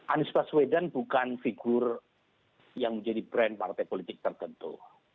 anies baswedan bukan figur yang menjadi brand partai politik tertentu